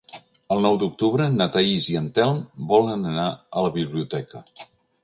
El nou d'octubre na Thaís i en Telm volen anar a la biblioteca.